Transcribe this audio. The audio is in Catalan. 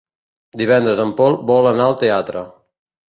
Divendres en Pol vol anar al teatre.